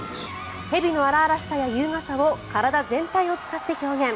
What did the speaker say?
蛇の荒々しさや優雅さを体全体を使って表現。